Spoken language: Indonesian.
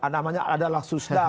namanya ada laksusda